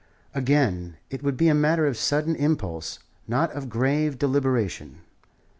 Again, it would be a matter of sudden impulse, not of grave deliberation.